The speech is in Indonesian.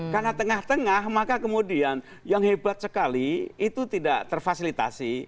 karena tengah tengah maka kemudian yang hebat sekali itu tidak terfasilitasi